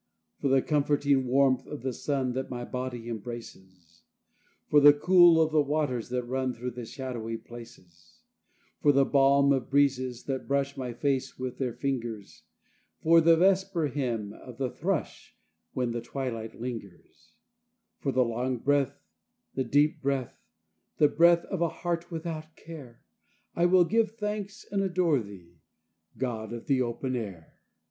For the comforting warmth of the sun that my body embraces, For the cool of the waters that run through the shadowy places, For the balm of the breezes that brush my face with their fingers, For the vesper hymn of the thrush when the twilight lingers, For the long breath, the deep breath, the breath of a heart without care, I will give thanks and adore thee, God of the open air!